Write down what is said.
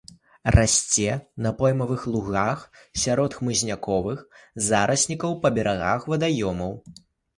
Расце на поймавых лугах, сярод хмызняковых зараснікаў, па берагах вадаёмаў.